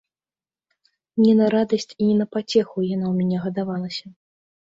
Не на радасць і не на пацеху яна ў мяне гадавалася.